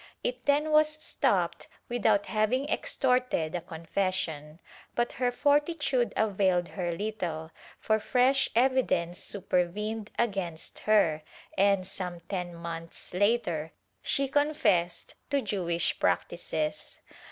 It then was stopped without having extorted a con fession, but her fortitude availed her little, for fresh evidence supervened against her and, some ten months later, she confessed to Jewish practices.